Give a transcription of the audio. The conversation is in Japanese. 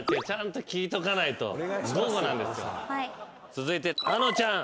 続いてあのちゃん。